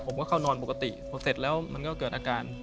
เข้านอนปกติพอเสร็จแล้วมันก็เกิดอาการ